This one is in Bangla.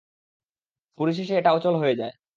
পরিশেষে এটা অচল হয়ে যায়।